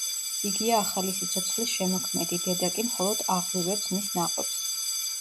იგია ახალი სიცოცხლის შემოქმედი, დედა კი მხოლოდ აღვივებს მის ნაყოფს.